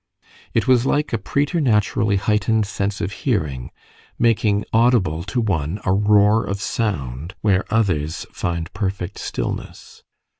It was like a preternaturally heightened sense of hearing, making audible to one a roar of sound where others find perfect stillness.